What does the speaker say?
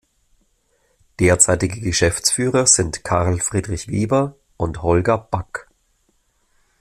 Derzeitige Geschäftsführer sind Karl Friedrich Weber und Holger Back.